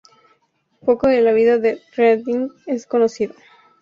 Poco de la vida de Reading es conocido.